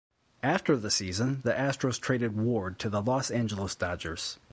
After the season the Astros traded Ward to the Los Angeles Dodgers.